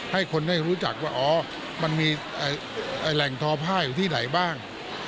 ให้คนรู้จักว่ามีแหล่งทอพ่าอยู่ที่ไหนบ้าง